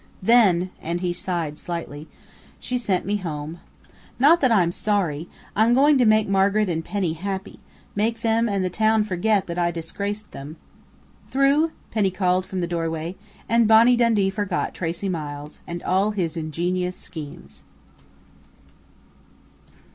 Then," and he sighed slightly, "she sent me home.... Not that I'm sorry. I'm going to try to make Margaret and Penny happy, make them and the town forget that I disgraced them " "Through?" Penny called from the doorway, and Bonnie Dundee forgot Tracey Miles and all his ingenious schemes.